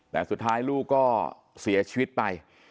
แต่สุดท้ายลูกก็เสียชีวิตไป